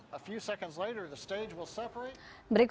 berikut emosi dari amerika